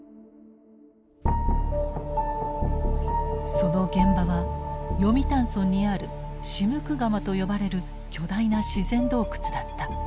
その現場は読谷村にあるシムクガマと呼ばれる巨大な自然洞窟だった。